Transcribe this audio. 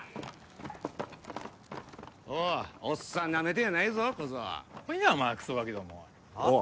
おいおっさんなめてんやないぞ小僧来いやお前クソガキどもああ？